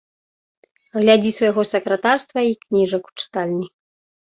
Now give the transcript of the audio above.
Глядзі свайго сакратарства й кніжак у чытальні.